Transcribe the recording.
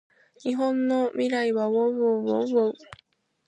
日本の未来はうぉううぉううぉううぉう